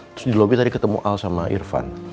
terus di lobby tadi ketemu al sama irfan